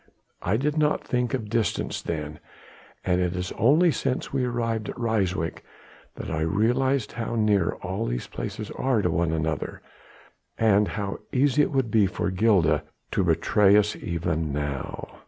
I did not think of distance then, and it is only since we arrived at Ryswyk that I realized how near all these places are to one another, and how easy it would be for Gilda to betray us even now."